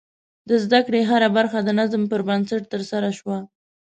د زده کړې هره برخه د نظم پر بنسټ ترسره شوه.